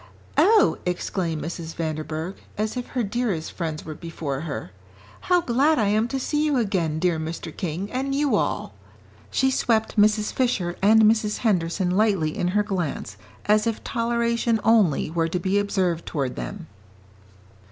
"Oh!" exclaimed Mrs. Vanderburgh, as if her dearest friends were before her, "how glad I am to see you again, dear Mr. King, and you all." She swept Mrs. Fisher and Mrs. Henderson lightly in her glance as if toleration only were to be observed toward them.